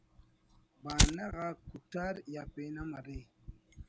بہانہ غاک کٹار یا پین ہم ارے